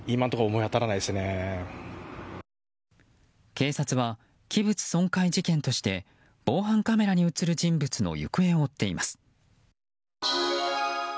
警察は、器物損壊事件として防犯カメラに映る人物の行方を追っています。